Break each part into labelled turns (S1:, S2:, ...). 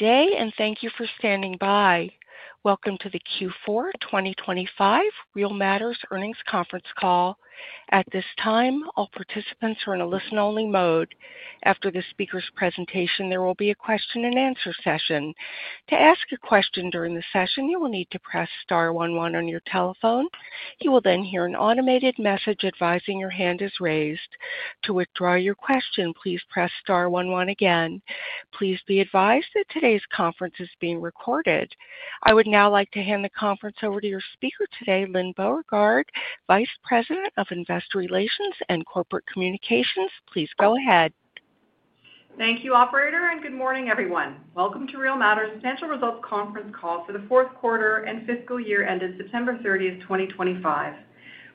S1: Good day and thank you for standing by. Welcome to the Q4 2025 Real Matters Earnings Conference call. At this time all participants are in a listen only mode. After the speaker's presentation, there will be a question and answer session. To ask a question during the session you will need to press star one one on your telephone. You will then hear an automated message advising your hand is raised. To withdraw your question, please press star one one again. Please be advised that today's conference is being recorded. I would now like to hand the conference over to your speaker today, Lyne Beauregard, Vice President of Investor Relations and Corporate Communications. Please go ahead.
S2: Thank you, Operator, and good morning, everyone. Welcome to Real Matters Financial Results conference call for the fourth quarter and fiscal year ended September 30, 2025.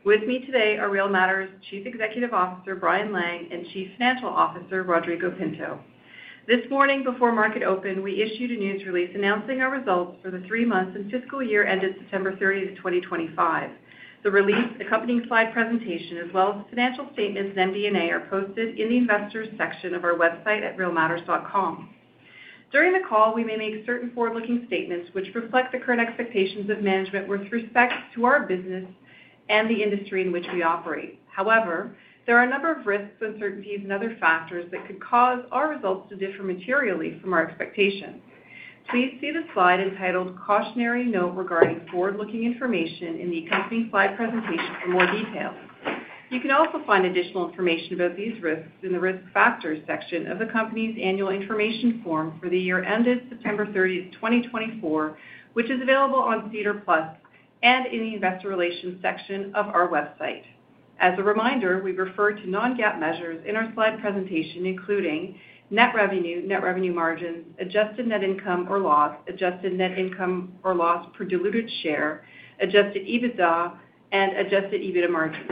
S2: With me today are Real Matters Chief Executive Officer Brian Lang and Chief Financial Officer Rodrigo Pinto. This morning before market open, we issued a news release announcing our results for the three months and fiscal year ended September 30, 2025. The release, accompanying slide presentation, as well as financial statements and MDA, are posted in the Investors section of our website at realmatters.com. During the call, we may make certain forward-looking statements which reflect the current expectations of management with respect to our business and the industry in which we operate. However, there are a number of risks, uncertainties, and other factors that could cause our results to differ materially from our expectations. Please see the slide entitled Cautionary Note regarding Forward Looking Information in the accompanying slide presentation for more detail. You can also find additional information about these risks in the Risk Factors section of the Company's Annual Information Form for the year ended September 30, 2024, which is available on SEDAR+ and in the Investor Relations section of our website. As a reminder, we refer to non-GAAP measures in our slide presentation including Net Revenue, Net Revenue Margin, adjusted net income or loss, adjusted net income or loss per diluted share, Adjusted EBITDA and Adjusted EBITDA margin.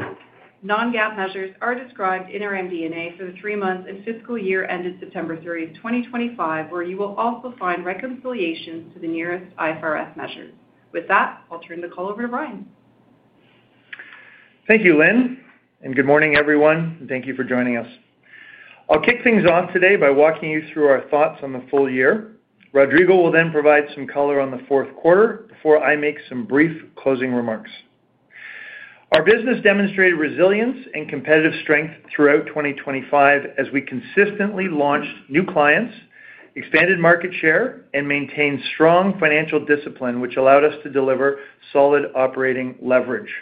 S2: Non-GAAP measures are described in our MD&A for the three months and fiscal year ended September 30, 2025 where you will also find reconciliations to the nearest IFRS measures. With that, I'll turn the call over to Brian.
S3: Thank you Lynn and good morning everyone and thank you for joining us. I'll kick things off today by walking you through our thoughts on the full year. Rodrigo will then provide some color on the fourth quarter before I make some brief closing remarks. Our business demonstrated resilience and competitive strength throughout 2025 as we consistently launched new clients, expanded market share, and maintained strong financial discipline, which allowed us to deliver solid operating leverage.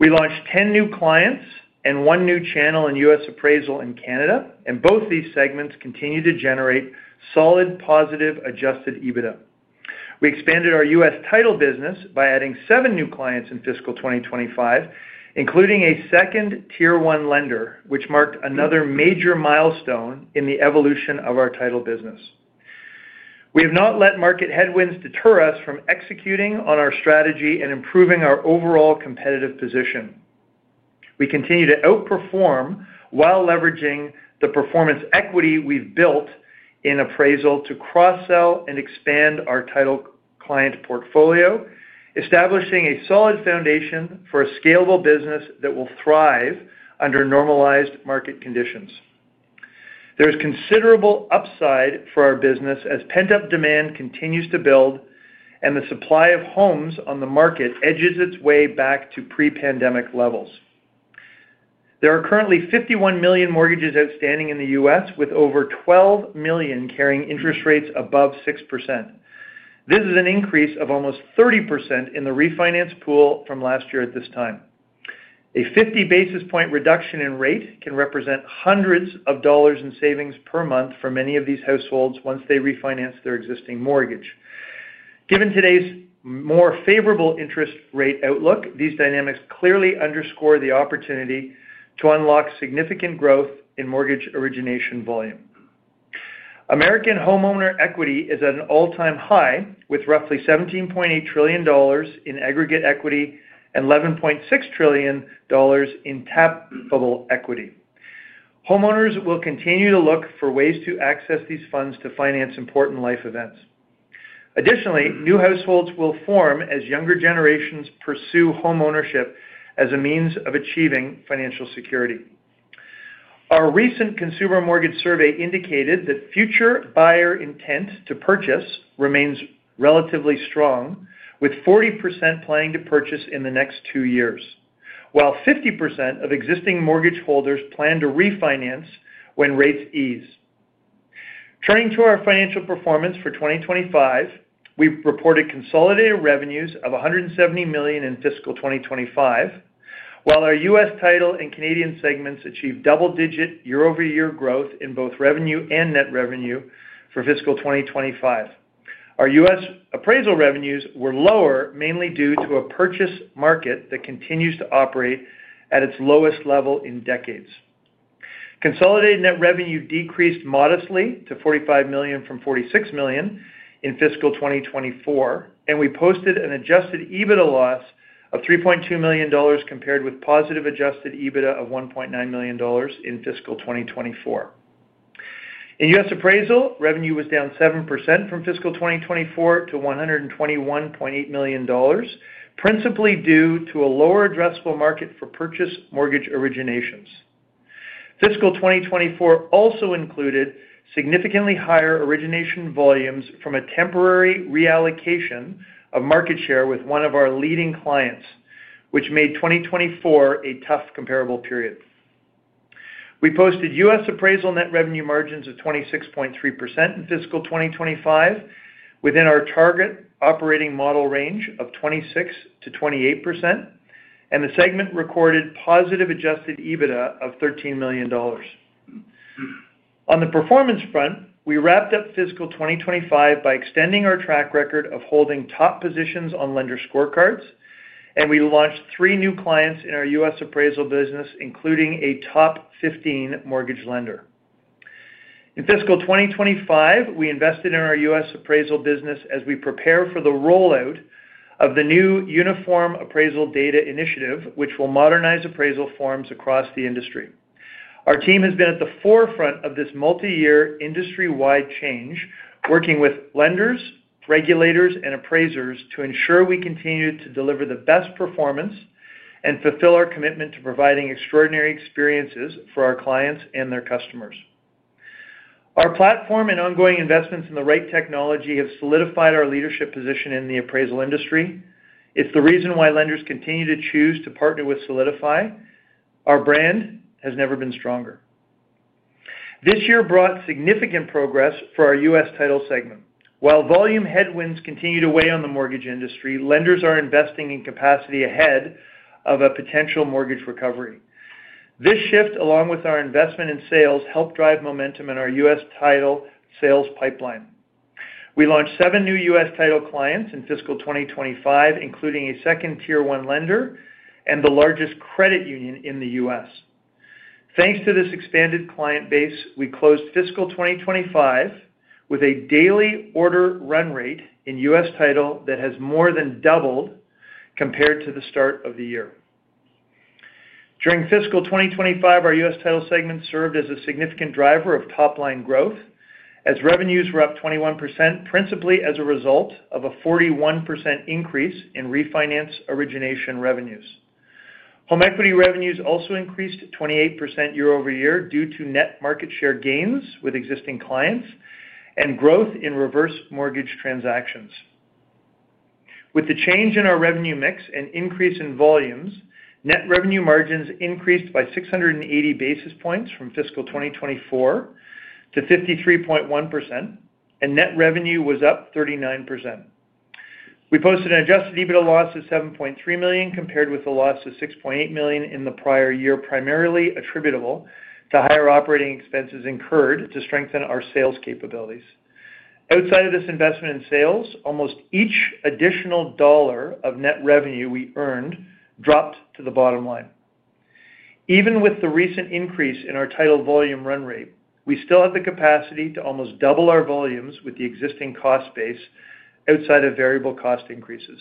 S3: We launched 10 new clients and one new channel in U.S. Appraisal in Canada, and both these segments continue to generate solid positive adjusted EBITDA. We expanded our U.S.Title business by adding seven new clients in fiscal 2025, including a second tier one lender, which marked another major milestone in the evolution of our title business. We have not let market headwinds deter us from executing on our strategy and improving our overall competitive position. We continue to outperform while leveraging the performance equity we've built in appraisal to cross sell and expand our title client portfolio, establishing a solid foundation for a scalable business that will thrive under normalized market conditions. There is considerable upside for our business as pent up demand continues to build and the supply of homes on the market edges its way back to pre pandemic levels. There are currently 51 million mortgages outstanding in the U.S. with over 12 million carrying interest rates above 6%. This is an increase of almost 30% in the refinance pool from last year. At this time, a 50 basis point reduction in rate can represent hundreds of dollars in savings per month for many of these households once they refinance their existing mortgage. Given today's more favorable interest rate outlook, these dynamics clearly underscore the opportunity to unlock significant growth in mortgage origination volume. American homeowner equity is at an all-time high with roughly $17.8 trillion in aggregate equity and $11.6 trillion in tappable equity. Homeowners will continue to look for ways to access these funds to finance important life events. Additionally, new households will form as younger generations pursue homeownership as a means of achieving financial security. Our recent Consumer Mortgage Survey indicated that future buyer intent to purchase remains relatively strong with 40% planning to purchase in the next two years, while 50% of existing mortgage holders plan to refinance when rates ease. Turning to our financial performance for 2025, we reported consolidated revenues of 170 million in fiscal 2025, while our U.S.Title and Canadian segments achieved double-digit year-over-year growth in both revenue and net revenue. For fiscal 2025, our U.S. Appraisal revenues were lower mainly due to a purchase market that continues to operate at its lowest level in decades. Consolidated net revenue decreased modestly to $45 million from $46 million in fiscal 2024 and we posted an adjusted EBITDA loss of $3.2 million compared with positive adjusted EBITDA of $1.9 million in fiscal 2024. U.S. Appraisal revenue was down 7% from fiscal 2024 to $121.8 million, principally due to a lower addressable market for purchase mortgage originations. Fiscal 2024 also included significantly higher origination volumes from a temporary reallocation of market share with one of our leading clients, which made 2024 a tough comparable period. We posted U.S. Appraisal net revenue margins of 26.3% in fiscal 2025 within our target operating model range of 26%-28%, and the segment recorded positive adjusted EBITDA of $13 million. On the performance front, we wrapped up fiscal 2025 by extending our track record of holding top positions on lender scorecards and we launched three new clients in our U.S. Appraisal business, including a top 15 mortgage lender. In fiscal 2025, we invested in our U.S. Appraisal business as we prepare for the rollout of the new Uniform Appraisal Data Initiative which will modernize appraisal forms across the industry. Our team has been at the forefront of this multi-year industry-wide change, working with lenders, regulators and appraisers to ensure we continue to deliver the best performance and fulfill our commitment to providing extraordinary experiences for our clients and their customers. Our platform and ongoing investments in the right technology have solidified our leadership position in the appraisal industry. It's the reason why lenders continue to choose to partner with Solidify. Our brand has never been stronger. This year brought significant progress for our U.S.Title segment. While volume headwinds continue to weigh on the mortgage industry, lenders are investing in capacity ahead of a potential mortgage recovery. This shift, along with our investment in sales, helped drive momentum in our U.S.Title sales pipeline. We launched seven new U.S.Title clients in fiscal 2025, including a second tier one lender and the largest credit union in the U.S. Thanks to this expanded client base, we closed fiscal 2025 with a daily order run rate in U.S.Title that has more than doubled compared to the start of the year. During fiscal 2025, our U.S.Title segment served as a significant driver of top line growth as revenues were up 21%, principally as a result of a 41% increase in refinance origination revenues. Home equity revenues also increased 28% year-over-year due to net market share gains with existing clients and growth in reverse mortgage transactions. With the change in our revenue mix and increase in volumes, net revenue margins increased by 680 basis points from fiscal 2024 to 53.1% and net revenue was up 39%. We posted an adjusted EBITDA loss of $7.3 million, compared with a loss of $6.8 million in the prior year, primarily attributable to higher operating expenses incurred to strengthen our sales capabilities. Outside of this investment in sales, almost each additional dollar of net revenue we earned dropped to the bottom line. Even with the recent increase in our title volume run rate, we still have the capacity to almost double our volumes with the existing cost base. Outside of variable cost increases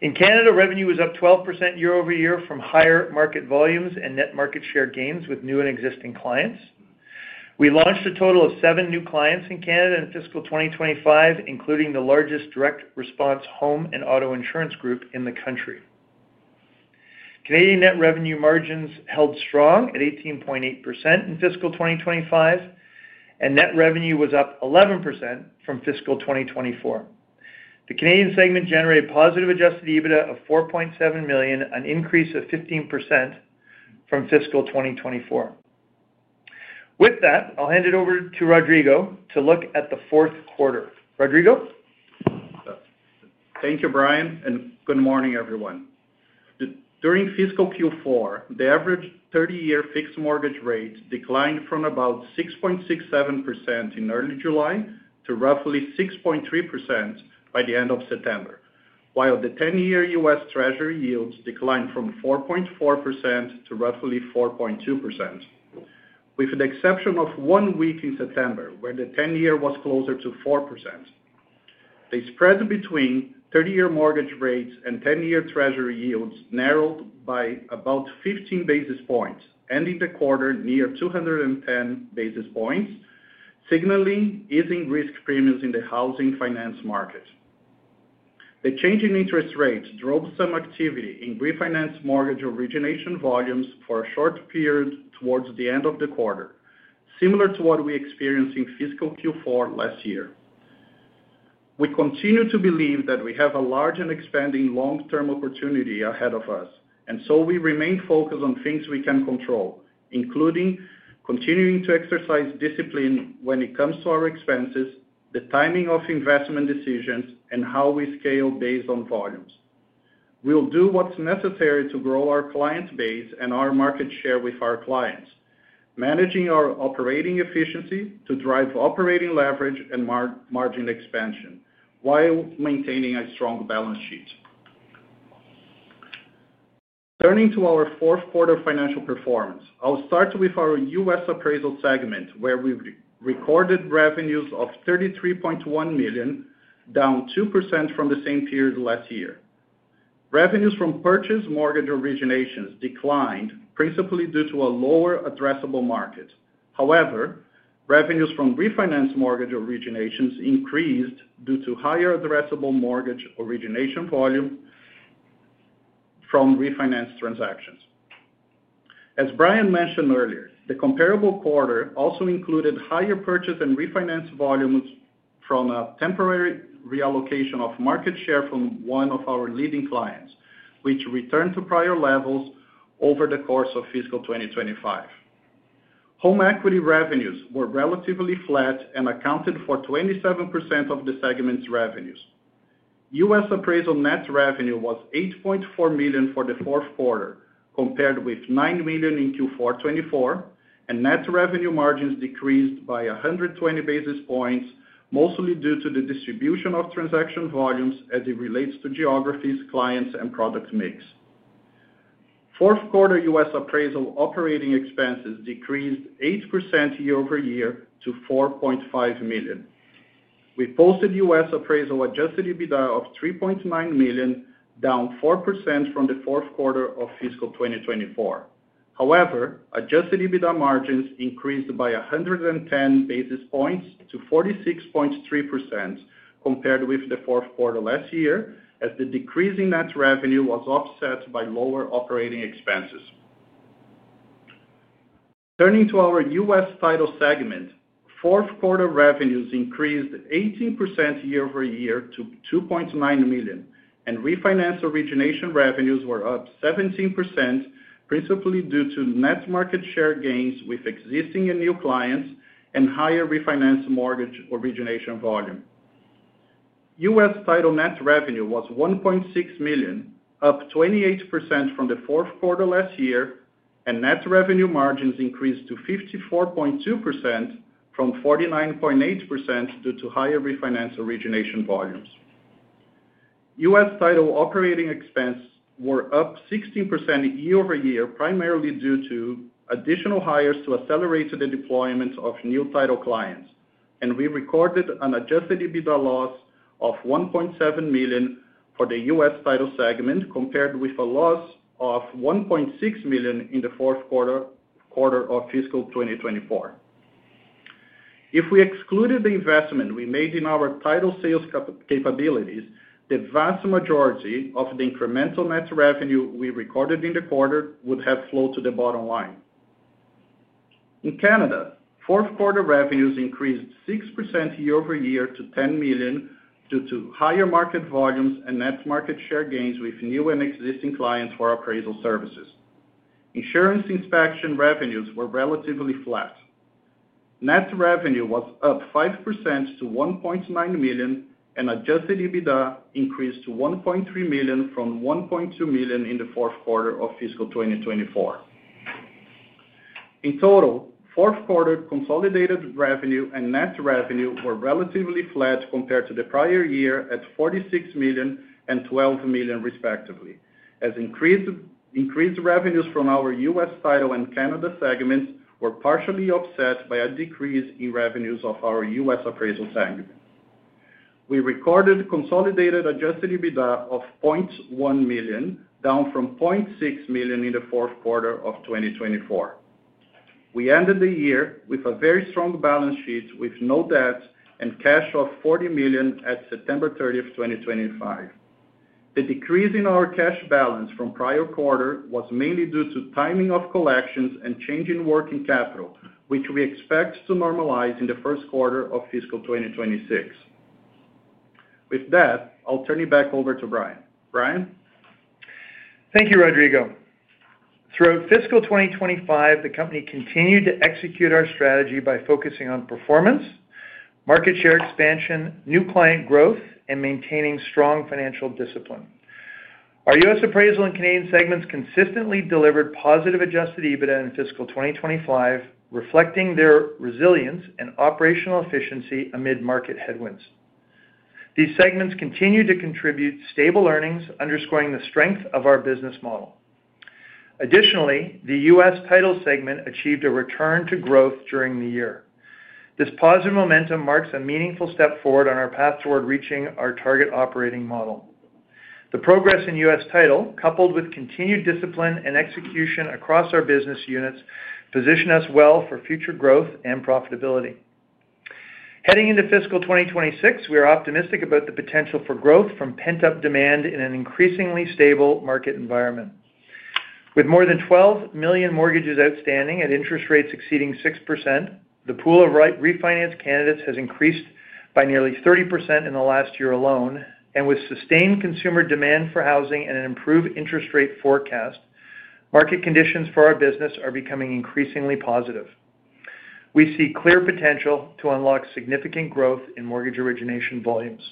S3: in Canada, revenue was up 12% year-over-year from higher market volumes and net market share gains with new and existing clients. We launched a total of seven new clients in Canada in fiscal 2025, including the largest direct response home and auto insurance group in the country. Canadian net revenue margins held strong at 18.8% in fiscal 2025 and net revenue was up 11% from fiscal 2024. The Canadian segment generated positive adjusted EBITDA of 4.7 million, an increase of 15% from fiscal 2024. With that, I'll hand it over to Rodrigo to look at the fourth quarter.
S4: Rodrigo, thank you Brian, and good morning everyone. During fiscal Q4, the average 30-year fixed mortgage rate declined from about 6.67% in early July to roughly 6.3% by the end of September, while the 10-year U.S. treasury yields declined from 4.4% to roughly 4.2%, with an exception of one week in September where the 10-year was closer to 4%. The spread between 30-year mortgage rates and 10-year treasury yields narrowed by about 15 basis points, ending the quarter near 210 basis points, signaling easing risk premiums in the housing finance market. The change in interest rates drove some activity in refinance mortgage origination volumes for a short period towards the end of the quarter, similar to what we experienced in fiscal Q4 last year. We continue to believe that we have a large and expanding long term opportunity ahead of us and so we remain focused on things we can control, including continuing to exercise discipline when it comes to our expenses, the timing of investment decisions and how we scale based on volumes. We will do what is necessary to grow our client base and our market share, with our clients managing our operating efficiency to drive operating leverage and margin expansion while maintaining a strong balance sheet. Turning to our fourth quarter financial performance, I will start with our U.S. Appraisal segment where we recorded revenues of $33.1 million, down 2% from the same period last year. Revenues from purchased mortgage originations declined principally due to a lower addressable market. However, revenues from refinanced mortgage originations increased due to higher addressable mortgage origination volume from refinanced transactions. As Brian mentioned earlier, the comparable quarter also included higher purchase and refinance volumes from a temporary reallocation of market share from one of our leading clients, which returned to prior levels over the course of fiscal 2025. Home equity revenues were relatively flat and accounted for 27% of the segment's revenues. U.S. Appraisal net revenue was $8.4 million for the fourth quarter compared with $9 million in Q4 2024 and net revenue margins decreased by 120 basis points, mostly due to the distribution of transaction volumes as it relates to geographies, clients and product mix. Fourth quarter U.S. Appraisal operating expenses decreased 8% year-over-year to $4.5 million. We posted U.S. Appraisal adjusted EBITDA of $3.9 million, down 4% from the fourth quarter of fiscal 2024. However, adjusted EBITDA margins increased by 110 basis points to 46.3% compared with the fourth quarter last year as the decrease in net revenue was offset by lower operating expenses. Turning to our U.S.Title segment, fourth quarter revenues increased 18% year-over-year to $2.9 million and refinance origination revenues were up 17%, principally due to net market share gains with existing and new clients and higher refinance mortgage origination volume. U.S.Title net revenue was $1.6 million, up 28% from the fourth quarter last year, and net revenue margins increased to 54.2% from 49.8% due to higher refinance origination volumes. U.S.Title operating expenses were up 60% year-over-year primarily due to additional hires to accelerate the deployment of new title clients, and we recorded an adjusted EBITDA loss of $1.7 million for the U.S. Title segment compared with a loss of $1.6 million in the fourth quarter of fiscal 2024. If we excluded the investment we made in our title sales capabilities, the vast majority of the incremental net revenue we recorded in the quarter would have flowed to the bottom line. In Canada, fourth quarter revenues increased 6% year-over-year to 10 million due to higher market volumes and net market share gains with new and existing clients for appraisal services. Insurance inspection revenues were relatively flat. Net revenue was up 5% to 1.9 million, and adjusted EBITDA increased to 1.3 million from 1.2 million in the fourth quarter of fiscal 2024. In total, fourth quarter consolidated revenue and net revenue were relatively flat compared to the prior year at 46 million and 12 million respectively. As increased revenues from our U.S.Title and Canada segments were partially offset by a decrease in revenues of our U.S. Appraisal segment, we recorded consolidated adjusted EBITDA of $0.1 million, down from $0.6 million in the fourth quarter of 2024. We ended the year with a very strong balance sheet with no debt and cash of 40 million at September 30, 2025. The decrease in our cash balance from prior quarter was mainly due to timing of collections and change in working capital, which we expect to normalize in the first quarter of fiscal 2026. With that, I'll turn it back over to Brian. Brian,
S3: thank you Rodrigo. Throughout fiscal 2025, the company continued to execute our strategy by focusing on performance, market share expansion, new client growth, and maintaining strong financial discipline. Our U.S. Appraisal and Canadian segments consistently delivered positive adjusted EBITDA in fiscal 2025, reflecting their resilience and operational efficiency amid market headwinds. These segments continue to contribute stable earnings, underscoring the strength of our business model. Additionally, the U.S.Title segment achieved a return to growth during the year. This positive momentum marks a meaningful step forward on our path toward reaching our target operating model. The progress in U.S.Title coupled with continued discipline and execution across our business units position us well for future growth and profitability. Heading into fiscal 2026, we are optimistic about the potential for growth from pent up demand in an increasingly stable market environment. With more than 12 million mortgages outstanding at interest rates exceeding 6%, the pool of refinance candidates has increased by nearly 30% in the last year alone. With sustained consumer demand for housing and an improved interest rate forecast, market conditions for our business are becoming increasingly positive. We see clear potential to unlock significant growth in mortgage origination volumes.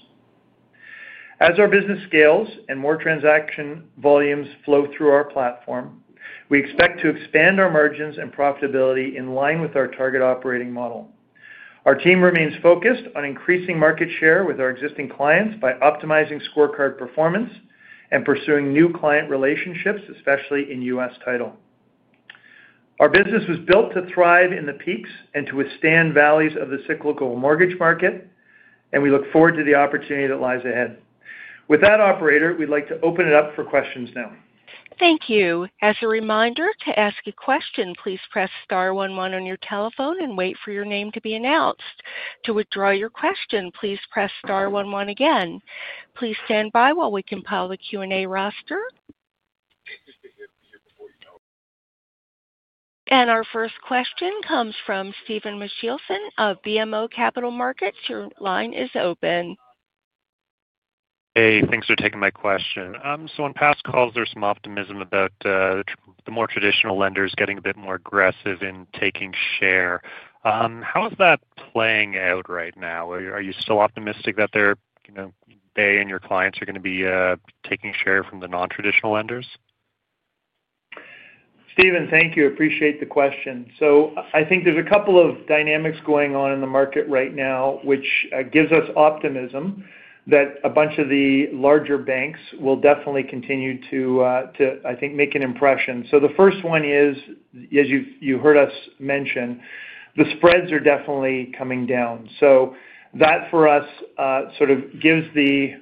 S3: As our business scales and more transaction volumes flow through our platform, we expect to expand our margins and profitability in line with our target operating model. Our team remains focused on increasing market share with our existing clients by optimizing scorecard performance and pursuing new client relationships, especially in U.S.Title. Our business was built to thrive in the peaks and to withstand valleys of the cyclical mortgage market, and we look forward to the opportunity that lies ahead with that operator. We'd like to open it up for questions now.
S1: Thank you. As a reminder to ask a question, please press star one one on your telephone and wait for your name to be announced. To withdraw your question, please press star one one again. Please stand by while we compile the Q and A roster. Our first question comes from Steven Michielson of BMO Capital Markets. Your line is open.
S5: Hey, thanks for taking my question. On past calls, there's some optimism about the more traditional lenders getting a bit more aggressive in taking share. How is that playing out right now? Are you still optimistic that they and your clients are going to be taking share from the non traditional lenders?
S3: Steven, thank you. Appreciate the question. I think there's a couple of dynamics going on in the market right now which gives us optimism that a bunch of the larger banks will definitely continue to, I think, make an impression. The first one is, as you heard us mention, the spreads are definitely coming down. That for us sort of gives that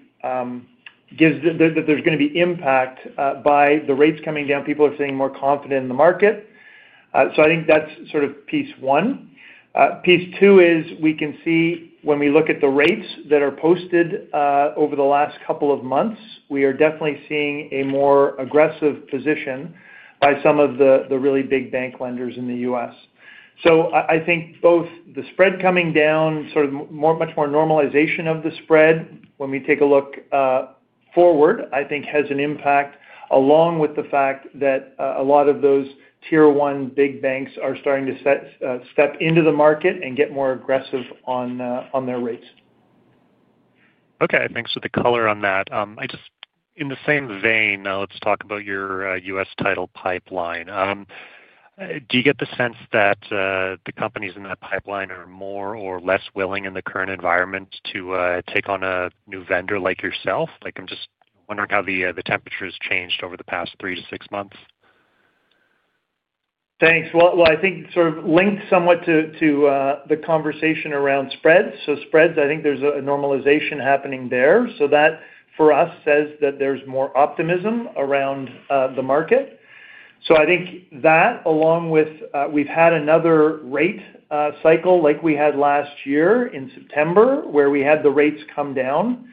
S3: there's going to be impact by the rates coming down. People are staying more confident in the market. I think that's sort of piece one. Piece two is we can see when we look at the rates that are posted over the last couple of months, we are definitely seeing a more aggressive position by some of the really big bank lenders in the U.S. I think both the spread coming down, sort of much more normalization of the spread when we take a look forward, I think has an impact along with the fact that a lot of those tier one big banks are starting to step into the market and get more aggressive on their rates.
S5: Okay, thanks for the color on that. In the same vein, now let's talk about your U.S.Title pipeline. Do you get the sense that the companies in that pipeline are more or less willing in the current environment to take on a new vendor like yourself? I'm just wondering how the temperature has changed over the past three to six months.
S3: Thanks. I think sort of linked somewhat to the conversation around spreads. Spreads, I think there's a normalization happening there. That for us says that there's more optimism around the market. I think that along with we've had another rate cycle like we had last year in September where we had the rates come down.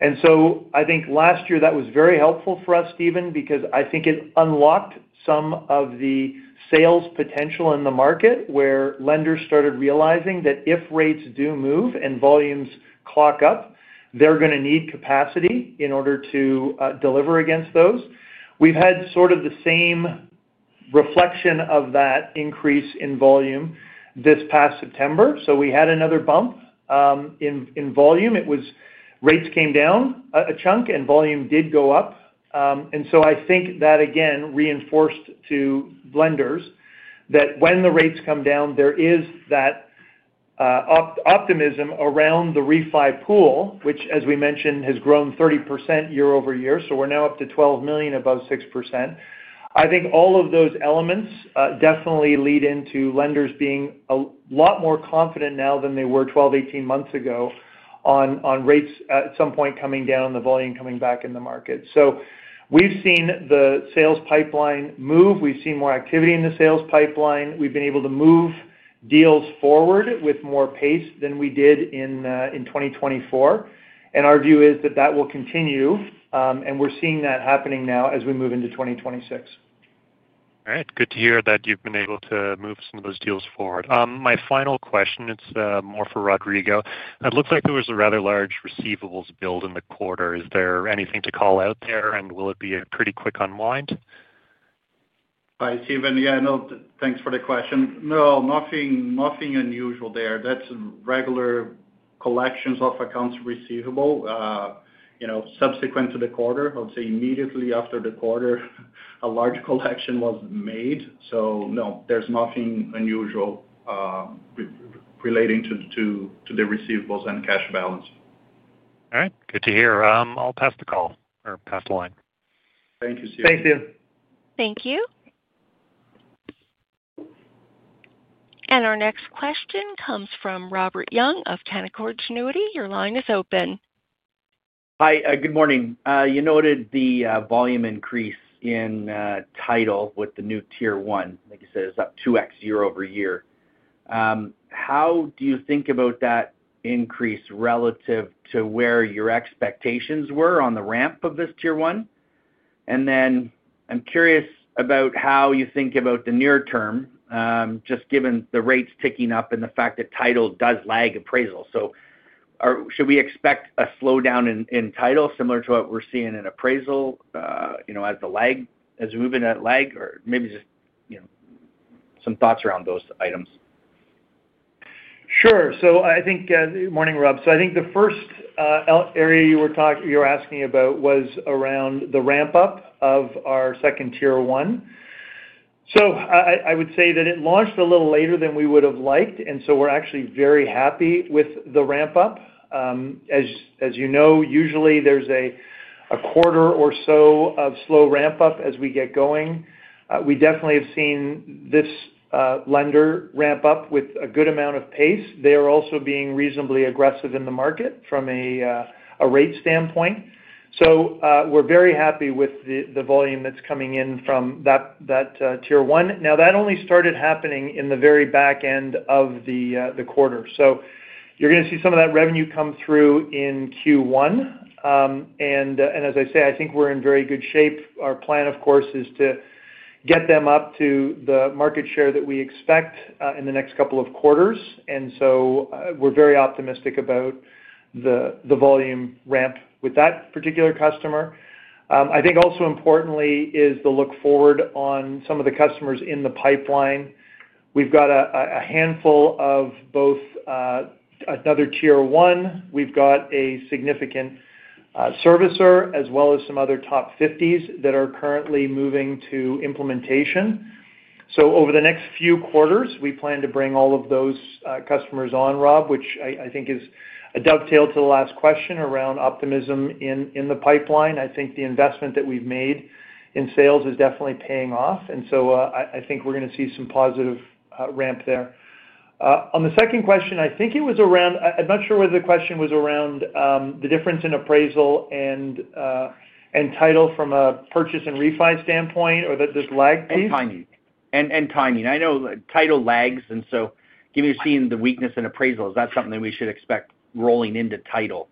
S3: I think last year that was very helpful for us, Steven, because I think it unlocked some of the sales potential in the market where lenders started realizing that if rates do move and volumes clock up, they're going to need capacity in order to deliver against those. We've had sort of the same reflection of that increase in volume this past September. We had another bump in volume. Rates came down a chunk and volume did go up. I think that again reinforced to lenders that when the rates come down, there is that optimism around the refi pool, which, as we mentioned, has grown 30% year-over-year, so we're now up to 12 million above 6%. I think all of those elements definitely lead into lenders being a lot more confident now than they were 12 or 18 months ago on rates at some point coming down, the volume coming back in the market. We have seen the sales pipeline move. We have seen more activity in the sales pipeline. We have been able to move deals forward with more pace than we did in 2024, and our view is that that will continue and we are seeing that happening now as we move into 2026.
S5: All right, good to hear that you've been able to move some of those deals forward. My final question, it's more for Rodrigo. It looks like there was a rather large receivables build in the quarter. Is there anything to call out there and will it be a pretty quick unwind?
S4: Hi, Steven. Yeah, thanks for the question. No, nothing unusual there. That's regular collections of accounts receivable, you know, subsequent to the quarter. I would say immediately after the quarter, a large collection was made. No, there's nothing unusual relating to the receivables and cash balance.
S5: All right, good to hear. I'll pass the call or pass the line.
S4: Thank you, sir.
S3: Thank you.
S1: Thank you. Our next question comes from Robert Young of Canaccord Genuity. Your line is open.
S6: Hi, good morning. You noted the volume increase in Title with the new Tier 1. Like you said, it's up 2x year-over-year. How do you think about that increase relative to where your expectations were on the ramp of this Tier 1? I'm curious about how you think about the near term, just given the rates ticking up and the fact that Title does lag Appraisal. Should we expect a slowdown in Title similar to what we're seeing in Appraisal as we move into lag, or maybe just some thoughts around those items?
S3: Sure. I think. Morning, Rob. I think the first area you were asking about was around the ramp up of our second tier one. I would say that it launched a little later than we would have liked. We are actually very happy with the ramp up. As you know, usually there is a quarter or so of slow ramp up as we get going. We definitely have seen this lender ramp up with a good amount of pace. They are also being reasonably aggressive in the market from a rate standpoint. We are very happy with the volume that is coming in from that tier one. That only started happening in the very back end of the quarter. You are going to see some of that revenue come through in Q1 and as I say, I think we are in very good shape. Our plan of course is to get them up to the market share that we expect in the next couple of quarters and we are very optimistic about the volume ramp with that particular customer. I think also importantly is the look forward on some of the customers in the pipeline. We have got a handful of both, another Tier one, we have got a significant servicer as well as some other top 50s that are currently moving to implementation. Over the next few quarters we plan to bring all of those customers on, Rob, which I think is a dovetail to the last question around optimism in the pipeline. I think the investment that we have made in sales is definitely paying off and I think we are going to see some positive ramp there. On the second question, I think it was around. I'm not sure whether the question was around the difference in appraisal and title from a purchase and refi standpoint or.
S6: This lag and timing. I know title lags and so given you've seen the weakness in appraisal, is that something we should expect rolling into title?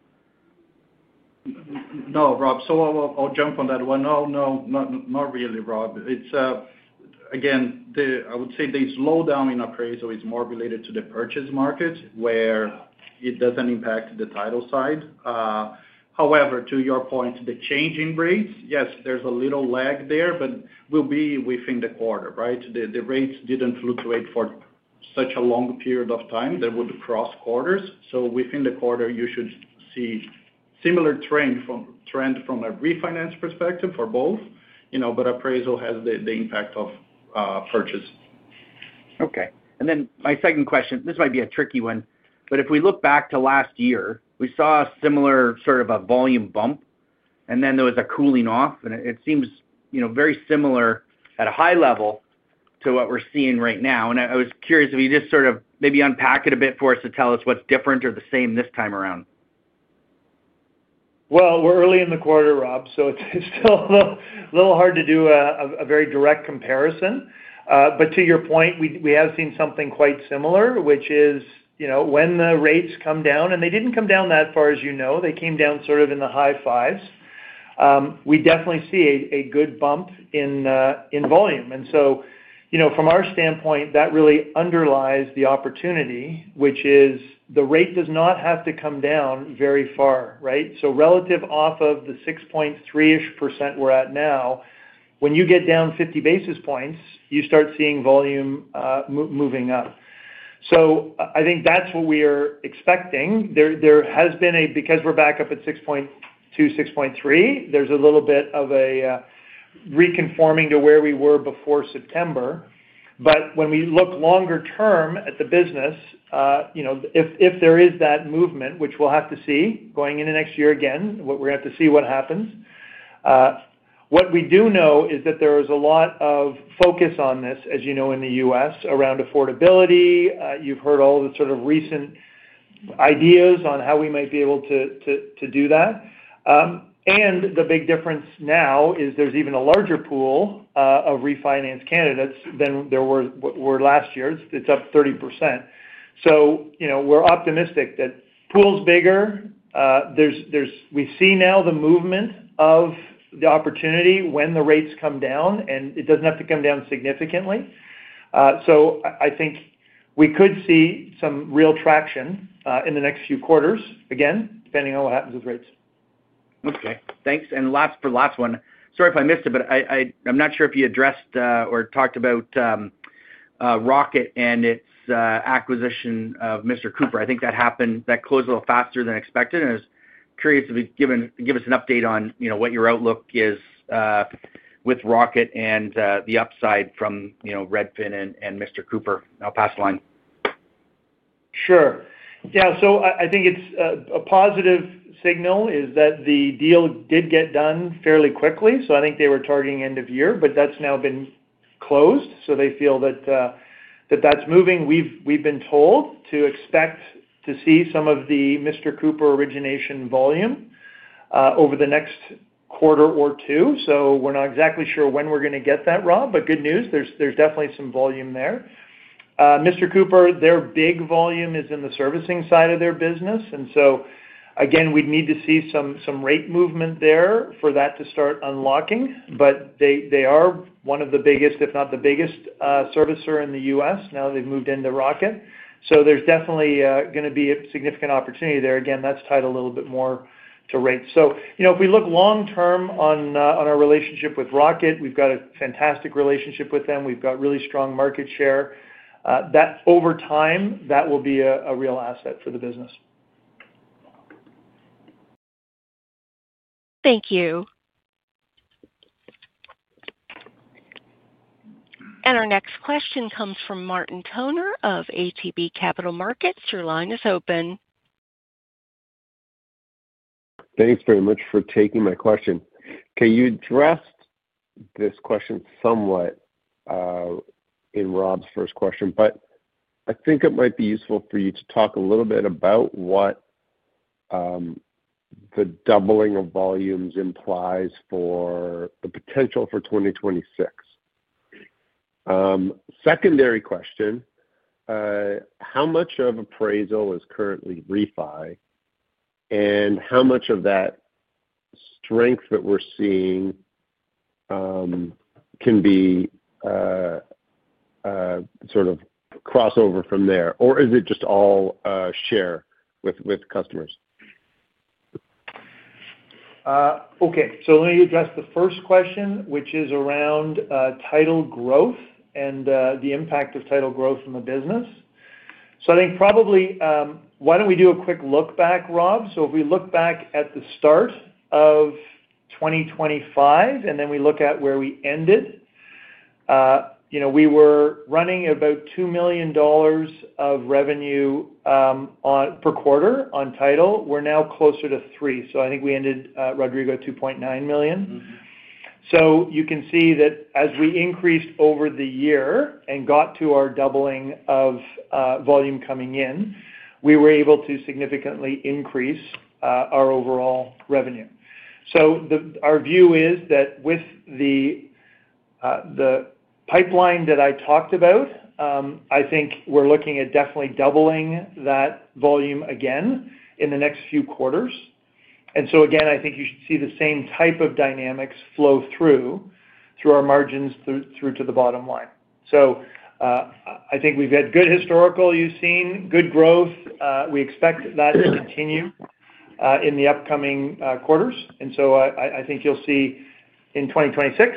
S4: No, Rob. I'll jump on that one. No, not really, Rob. It's again, I would say the slowdown in appraisal is more related to the purchase market where it doesn't impact the title side. However, to your point, the change in rates, yes, there's a little lag there, but will be within the quarter. Right. The rates didn't fluctuate for such a long period of time, they would cross quarters. So within the quarter you should see similar trend from a refinance perspective for both. But appraisal has the impact of purchase.
S6: Okay, and then my second question, this might be a tricky one, but if we look back to last year we saw a similar sort of a volume bump and then there was a cooling off and it seems very similar at a high level to what we're seeing right now. I was curious if you just sort of maybe unpack it a bit for us to tell us what's different or the same this time around.
S3: We're early in the quarter, Rob, so it's still a little hard to do a very direct comparison. To your point, we have seen something quite similar, which is when the rates come down, and they didn't come down that far, as you know, they came down sort of in the high fives, we definitely see a good bump in volume. From our standpoint, that really underlies the opportunity, which is the rate does not have to come down very far. Right. Relative off of the 6.3% we're at now, when you get down 50 basis points, you start seeing volume moving up. I think that's what we are expecting. There has been a, because we're back up at 6.2%-6.3%, there's a little bit of a reconforming to where we were before September. When we look longer term at the business, if there is that movement, which we'll have to see going into next year, again, we're going to have to see what happens. What we do know is that there is a lot of focus on this, as you know, in the U.S. around affordability. You've heard all the sort of recent ideas on how we might be able to do that. The big difference now is there's even a larger pool of refinance candidates than there were last year. It's up 30%. You know, we're optimistic that pool's bigger. We see now the movement of the opportunity when the rates come down and it doesn't have to come down significantly. I think we could see some real traction in the next few quarters again, depending on what happens with rates.
S6: Okay, thanks. Last for the last one. Sorry if I missed it, but I'm not sure if you addressed or talked about Rocket and its acquisition of Mr. Cooper. I think that happened. That closed a little faster than expected. I was curious if you'd given give us an update on what your outlook is with Rocket and the upside from Redfin and Mr. Cooper now past line.
S3: Sure, yeah. I think it's a positive signal is that the deal did get done fairly quickly. I think they were targeting end of year but that's now been closed. They feel that that's moving. We've been told to expect to see some of the Mr. Cooper origination volume over the next quarter or two. We're not exactly sure when we're going to get that. Rob. Good news, there's definitely some volume there. Mr. Cooper, their big volume is in the servicing side of their business. Again, we need to see some rate movement there for that to start unlocking. They are one of the biggest, if not the biggest, servicer in the U.S. now. They've moved into Rocket, so there's definitely going to be a significant opportunity there. Again, that's tied a little bit more to rates. If we look long term on our relationship with Rocket, we've got a fantastic relationship with them. We've got really strong market share that, over time, will be a real asset for the business.
S1: Thank you. Our next question comes from Martin Toner of ATB Capital Markets. Your line is open.
S7: Thanks very much for taking my question. Okay, you addressed this question somewhat in Rob's first question, but I think it might be useful for you to talk a little bit about what the doubling of volumes implies for the potential for 2026. Secondary question, how much of appraisal is currently refi and how much of that strength that we're seeing can be sort of crossover from there or is it just all share with customers?
S3: Okay, let me address the first question, which is around title growth and the impact of title growth in the business. I think probably why do not we do a quick look back, Rob? If we look back at the start of 2025 and then we look at where we ended, we were running about $2 million of revenue per quarter on title. We are now closer to $3 million. I think we ended, Rodrigo, $2.9 million. You can see that as we increased over the year and got to our doubling of volume coming in, we were able to significantly increase our overall revenue. Our view is that with the pipeline that I talked about, I think we are looking at definitely doubling that volume again in the next few quarters. I think you should see the same type of dynamics flow through our margins through to the bottom line. I think we've had good historical, you've seen good growth. We expect that to continue in the upcoming quarters. I think you'll see in 2026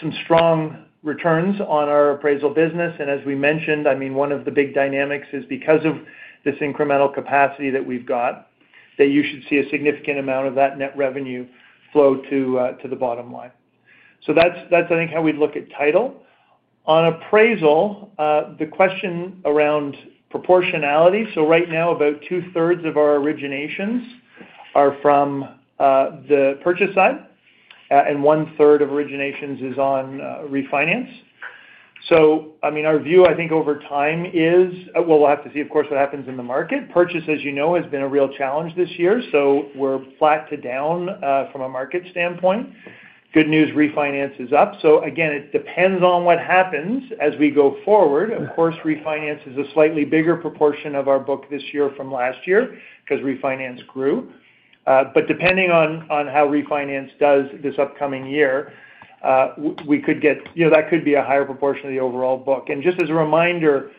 S3: some strong returns on our appraisal business. As we mentioned, I mean, one of the big dynamics is because of this incremental capacity that we've got, you should see a significant amount of that net revenue flow to the bottom line. I think that's how we look at title on appraisal. The question around proportionality. Right now about two thirds of our originations are from the purchase side and one third of originations is on refinance. I mean, our view, I think, over time is, we'll have to see, of course, what happens in the market. Purchase, as you know, has been a real challenge this year. We are flat to down from a market standpoint. Good news, refinance is up. Again, it depends on what happens as we go forward. Of course, refinance is a slightly bigger proportion of our book this year from last year because refinance grew. Depending on how refinance does this upcoming year we could get, you know, that could be a higher proportion of the overall book. Just as a reminder,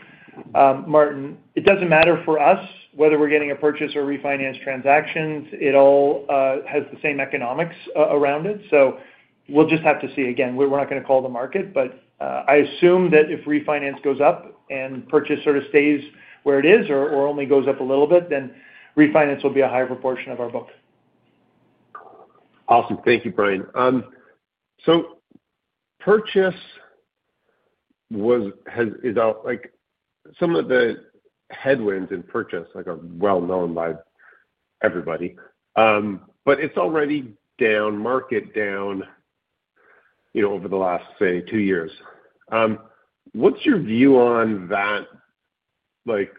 S3: Martin, it does not matter for us whether we are getting a purchase or refinance transactions. It all has the same economics around it. We'll just have to see again, we're not going to call the market, but I assume that if refinance goes up and purchase sort of stays where it is or only goes up a little bit, then refinance will be a higher proportion of our book.
S7: Thank you, Brian. Purchase was, has, is out like some of the headwinds in purchase like are well known by everybody, but it is already down, market down, you know, over the last, say, two years. What is your view on that, like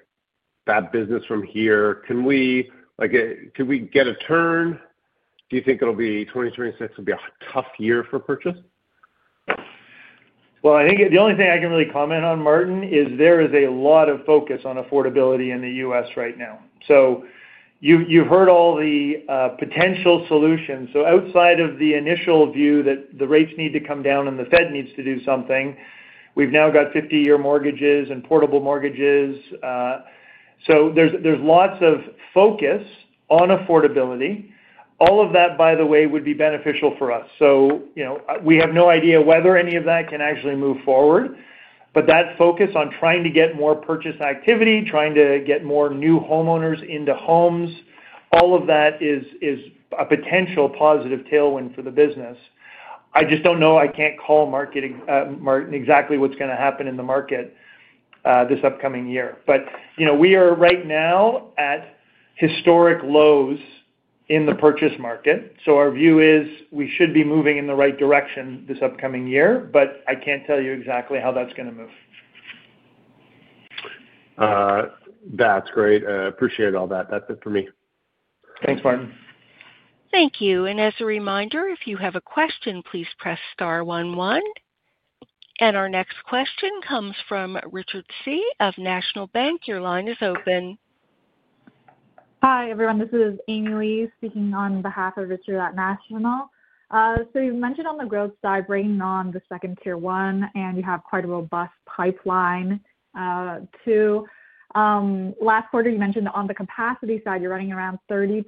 S7: that business from here? Can we, like, can we get a turn? Do you think 2026 will be a tough year for purchase?
S3: I think the only thing I can really comment on, Martin, is there is a lot of focus on affordability in the U.S. right now. You have heard all the potential solutions. Outside of the initial view that the rates need to come down and the Fed needs to do something, we have now got 50 year mortgages and portable mortgages, so there is lots of focus on affordability. All of that, by the way, would be beneficial for us. We have no idea whether any of that can actually move forward. That focus on trying to get more purchase activity, trying to get more new homeowners into homes, all of that is a potential positive tailwind for the business. I just do not know. I cannot call, Martin, exactly what is going to happen in the market this upcoming year. We are right now at historic lows in the purchase market. Our view is we should be moving in the right direction this upcoming year. I can't tell you exactly how that's going to move.
S7: That's great, appreciate all that. That's it for me.
S3: Thanks Martin.
S1: Thank you. As a reminder, if you have a question, please press star one one. Our next question comes from Richard Tse of National Bank. Your line is open.
S8: Hi everyone, this is Amy Lee speaking on behalf of Richard at National Bank. You mentioned on the roadside bringing on the second tier one and you have quite a robust pipeline too. Last quarter you mentioned on the capacity side, you're running around 30%,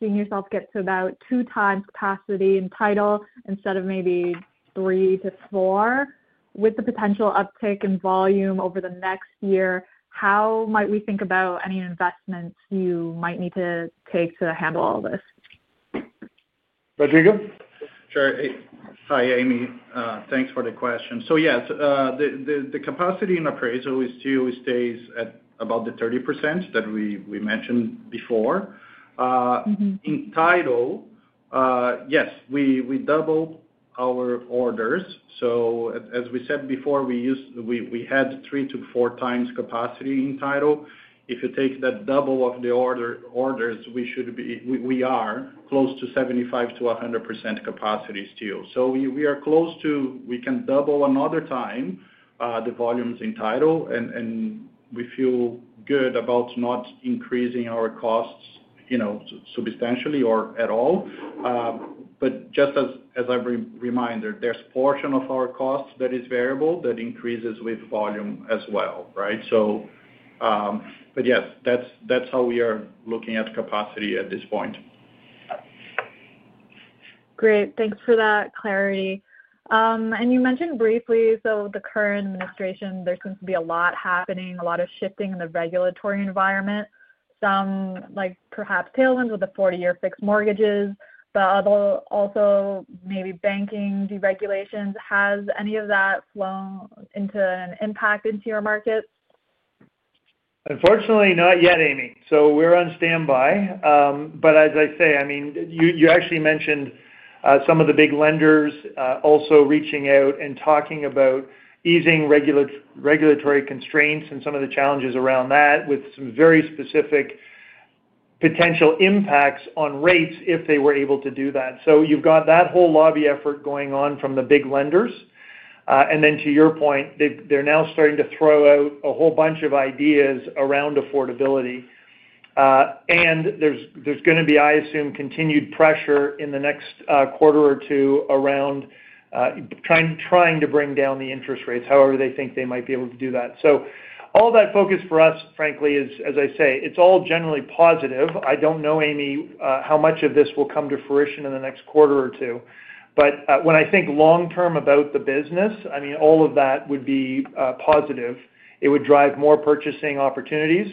S8: seeing yourself get to about two times capacity in title instead of maybe three to four. With the potential uptick in volume over the next year, how might we think about any investments you might need to take to handle all this,
S3: Rodrigo?
S4: Sure. Hi Amy, thanks for the question. Yes, the capacity in appraisal still stays at about the 30% that we mentioned before in title. Yes, we doubled our orders. As we said before, we had three to four times capacity in title. If you take that double of the orders, we should be, we are close to 75-100% capacity still. We are close to, we can double another time the volumes in title and we feel good about not increasing our costs, you know, substantially or at all. Just as a reminder, there is portion of our cost that is variable that increases with volume as well. Right. Yes, that's how we are looking at capacity at this point.
S8: Great. Thanks for that clarity. You mentioned briefly, the current administration, there seems to be a lot happening, a lot of shifting in the regulatory environment. Some like perhaps tailwinds with the 40 year fixed mortgages, but also maybe banking deregulations. Has any of that flown into an impact into your markets?
S3: Unfortunately not yet, Amy. We're on standby. I mean, you actually mentioned some of the big lenders also reaching out and talking about easing regulatory constraints and some of the challenges around that with some very specific potential impacts on rates if they were able to do that. You have that whole lobby effort going on from the big lenders. To your point, they're now starting to throw out a whole bunch of ideas around affordability and there is going to be, I assume, continued pressure in the next quarter or two around trying to bring down the interest rates, however they think they might be able to do that. All that focus for us, frankly, is, as I say, it's all generally positive. I don't know, Amy, how much of this will come to fruition in the next quarter or two. When I think long term about the business, I mean all of that would be positive. It would drive more purchasing opportunities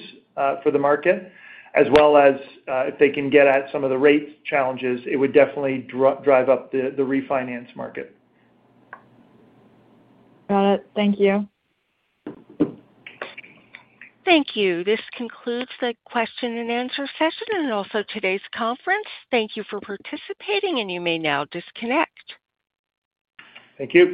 S3: for the market as well as if they can get at some of the rate challenges, it would definitely drive up the refinance market.
S8: Got it. Thank you.
S1: Thank you. This concludes the question and answer session and also today's conference. Thank you for participating and you may now disconnect.
S3: Thank you.